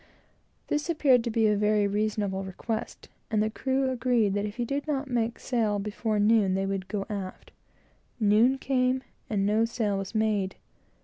This appeared to be a very reasonable request, and the crew agreed that if he did not make sail before noon, they would go aft. Noon came, and no sail was made.